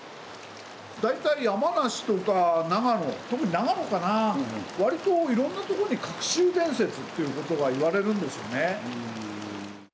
大体山梨とか長野特に長野かな割といろんなとこに隠し湯伝説ということがいわれるんですよね。